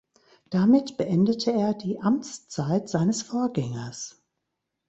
Damit beendete er die Amtszeit seines Vorgängers.